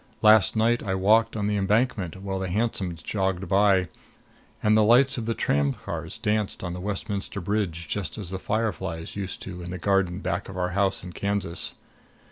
Last night I walked on the Embankment while the hansoms jogged by and the lights of the tramcars danced on Westminster Bridge just as the fireflies used to in the garden back of our house in Kansas.